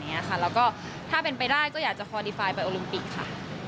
แล้วก็ถ้าเป็นไปได้ก็อยากจะคอดีไฟล์ไปโอลิมปิกค่ะ